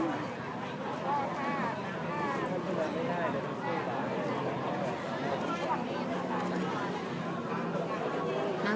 และที่อยู่ด้านหลังคุณยิ่งรักนะคะก็คือนางสาวคัตยาสวัสดีผลนะคะ